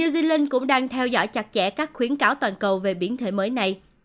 new zealand cũng đang theo dõi chặt chẽ các khuyến cáo toàn cầu về biến thể mới này